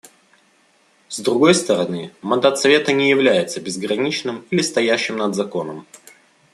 С другой стороны, мандат Совета не является безграничным или стоящим над законом.